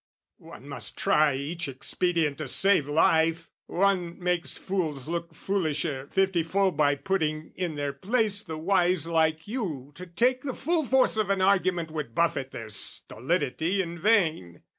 One must try each expedient to save life. One makes fools look foolisher fifty fold By putting in their place the wise like you To take the full force of an argument Would buffet their stolidity in vain.